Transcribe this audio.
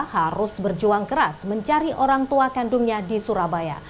harus berjuang keras mencari orang tua kandungnya di surabaya